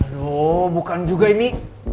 aduh bukan juga ini